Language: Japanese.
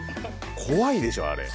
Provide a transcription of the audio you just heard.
怖いでしょあれ。